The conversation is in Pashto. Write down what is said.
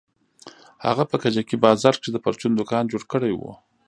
هغه په کجکي بازار کښې د پرچون دوکان جوړ کړى و.